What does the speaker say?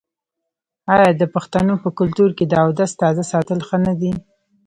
آیا د پښتنو په کلتور کې د اودس تازه ساتل ښه نه دي؟